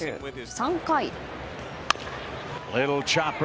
３回。